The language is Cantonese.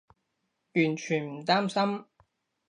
完全唔擔心